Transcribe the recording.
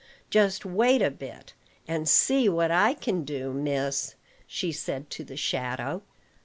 Just wait a bit, and see what I can do, miss," she said to the shadow.